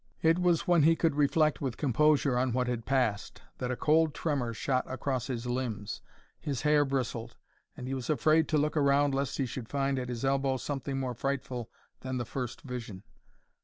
It was when he could reflect with composure on what had passed, that a cold tremor shot across his limbs, his hair bristled, and he was afraid to look around lest he should find at his elbow something more frightful than the first vision.